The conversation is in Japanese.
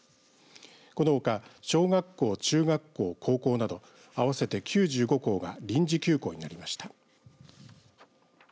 このほか小学校、中学校高校など合わせて９５校が臨時休校になりました。